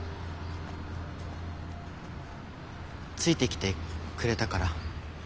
ついてきてくれたから。